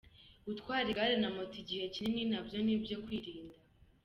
Gutwara igare na moto igihe kinini na byo ni ibyo kwirinda.